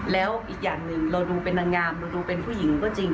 แล้วอีกอย่างหนึ่งเราดูเป็นนางงามเราดูเป็นผู้หญิงก็จริง